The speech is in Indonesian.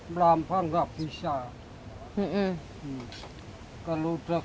melambang tidak bisa